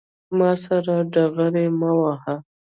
ما سره ډغرې مه وهه